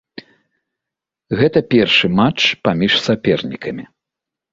Гэта першы матч паміж сапернікамі.